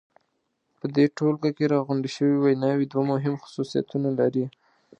په دې ټولګه کې راغونډې شوې ویناوی دوه مهم خصوصیتونه لري.